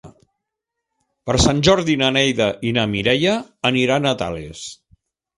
Per Sant Jordi na Neida i na Mireia aniran a Tales.